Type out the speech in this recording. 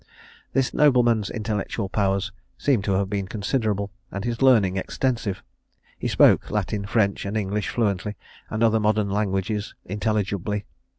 This nobleman's intellectual powers seem to have been considerable, and his learning extensive. He spoke Latin, French, and English, fluently, and other modern languages intelligibly.